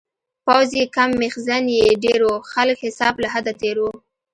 پوځ یې کم میخزن یې ډیر و-خلکه حساب له حده تېر و